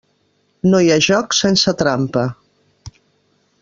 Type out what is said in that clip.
No hi ha joc sense trampa.